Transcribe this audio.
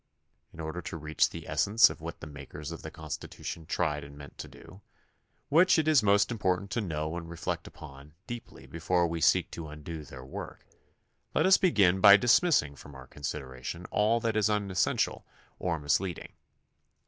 In order to reach the essence of what the makers of the Constitution tried and meant to do, which it is most important to know and reflect upon deeply before we seek to imdo their work, let us begin by dismissing from our consideration all that is unessential or mis leading.